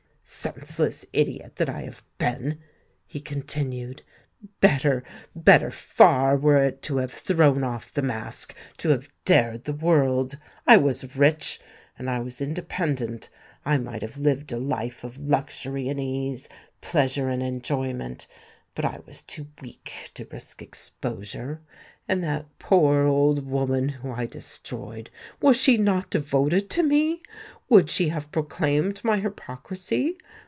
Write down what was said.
"Senseless idiot that I have been!" he continued. "Better—better far were it to have thrown off the mask—to have dared the world! I was rich—and I was independent. I might have lived a life of luxury and ease, pleasure and enjoyment;—but I was too weak to risk exposure. And that poor old woman whom I destroyed—was she not devoted to me! would she have proclaimed my hypocrisy?